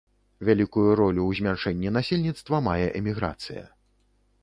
Вялікую ролю ў змяншэнні насельніцтва мае эміграцыя.